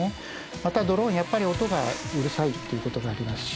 またドローンやっぱり音がうるさいということがありますし。